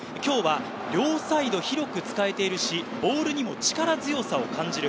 今日は両サイド広く使えているし、ボールにも力強さを感じる。